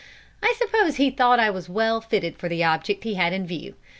I suppose he thought I was well fitted for the object he had in view.